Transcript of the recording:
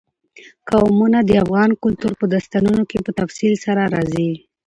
قومونه د افغان کلتور په داستانونو کې په تفصیل سره راځي.